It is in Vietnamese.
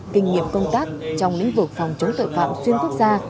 kinh nghiệm công tác trong lĩnh vực phòng chống tội phạm xuyên phức ra